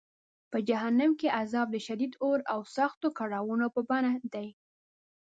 په جهنم کې عذاب د شدید اور او سختو کړاوونو په بڼه دی.